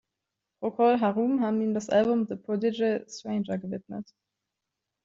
Procol Harum haben ihm das Album "The Prodigal Stranger" gewidmet.